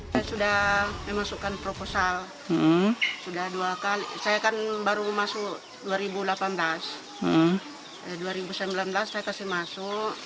saya sudah memasukkan proposal sudah dua kali saya kan baru masuk dua ribu delapan belas dua ribu sembilan belas saya kasih masuk